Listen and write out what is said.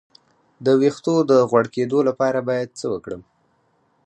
د ویښتو د غوړ کیدو لپاره باید څه وکړم؟